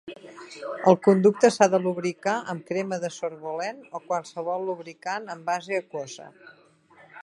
El conducte s'ha de lubricar amb crema de sorbolene o qualsevol lubricant en base aquosa.